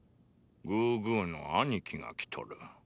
グーグーの兄貴が来とる。